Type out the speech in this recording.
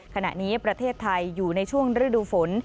ขณะนี้ประเทศไทยอยู่ในช่วงฤดูฝน